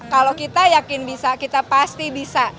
kalau kita yakin bisa kita pasti bisa